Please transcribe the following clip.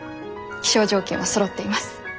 気象条件はそろっています。